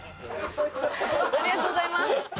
ありがとうございます。